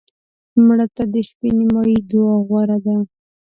مړه ته د شپه نیمایي دعا غوره ده